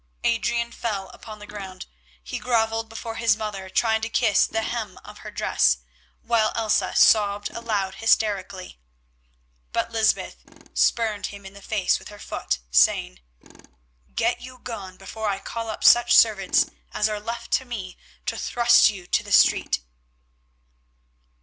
Adrian fell upon the ground; he grovelled before his mother trying to kiss the hem of her dress, while Elsa sobbed aloud hysterically. But Lysbeth spurned him in the face with her foot, saying, "Get you gone before I call up such servants as are left to me to thrust you to the street."